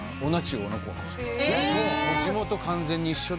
地元完全に一緒で。